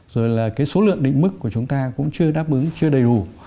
rồi là cái số lượng định mức của chúng ta cũng chưa đáp ứng chưa đầy đủ